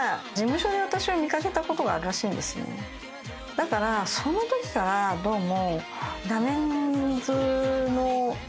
だからそのときからどうも。